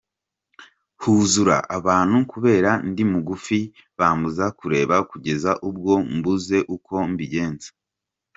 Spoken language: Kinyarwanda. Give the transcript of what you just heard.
huzura abantu kubera ndi mugufi bambuza kureba kugeza ubwo mbuze uko mbigenza.